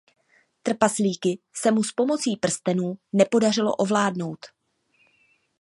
Trpaslíky se mu s pomocí prstenů nepodařilo ovládnout.